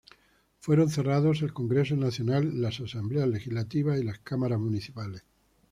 Fueron cerrados el Congreso Nacional, las asambleas legislativas y las cámaras municipales.